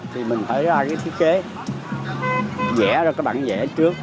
thì mình phải ra cái thiết kế vẽ ra cái bảng vẽ trước